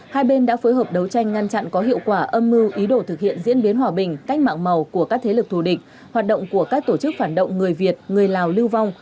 hai bên đã phối hợp đấu tranh ngăn chặn có hiệu quả âm mưu ý đồ thực hiện diễn biến hòa bình cách mạng màu của các thế lực thù địch hoạt động của các tổ chức phản động người việt người lào lưu vong